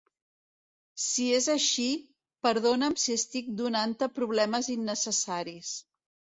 Si és així, perdona'm si estic donant-te problemes innecessaris.